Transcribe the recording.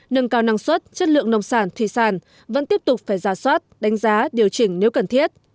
nâng cao năng suất chất lượng nông sản thủy sản vẫn tiếp tục phải ra soát đánh giá điều chỉnh nếu cần thiết